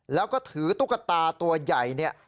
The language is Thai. แล้วก็ถือตุ๊กตาตัวใหญ่